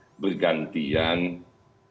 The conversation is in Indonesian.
kita juga menawarkan cuti di luar tanggungan